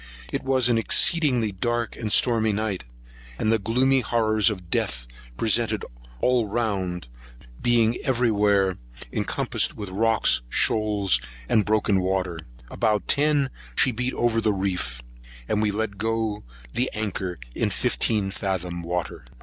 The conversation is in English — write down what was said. It was an exceeding dark, stormy night; and the gloomy horrors of death presented us all round, being every where encompassed with rocks, shoals, and broken water. About ten she beat over the reef; and we let go the anchor in fifteen fathom water.